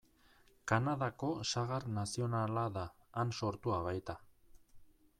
Kanadako sagar nazionala da, han sortua baita.